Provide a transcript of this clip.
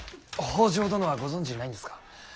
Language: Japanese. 北条殿はご存じないんですか。